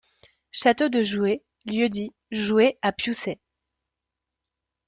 Château de Jouhé lieu-dit Jouhé à Pioussay.